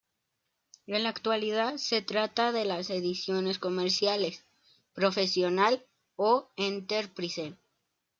En la actualidad se trata de las ediciones comerciales, Professional o Enterprise.